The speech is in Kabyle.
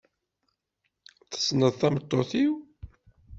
Tessneḍ tameṭṭut-iw?